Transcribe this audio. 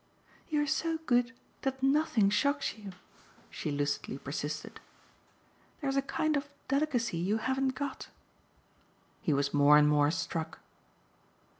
"You're so good that nothing shocks you," she lucidly persisted. "There's a kind of delicacy you haven't got." He was more and more struck.